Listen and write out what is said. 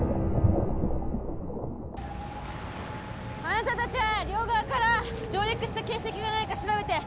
あなたたちは両側から上陸した形跡がないか調べて。